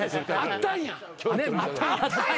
「あったんや」